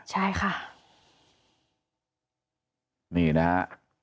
ใช่ค่ะนี่นะฮะ